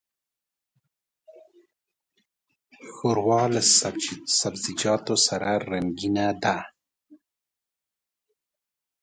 ښوروا له سبزيجاتو سره رنګینه ده.